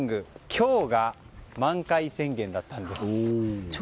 今日が満開宣言だったんです。